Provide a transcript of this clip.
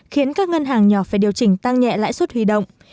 khiến các ngân hàng nhỏ phải điều chỉnh tăng nhẹ lãi suất huy động